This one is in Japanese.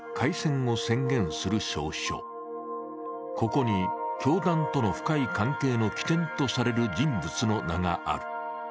ここに教団との深い関係の起点とされる人物の名がある。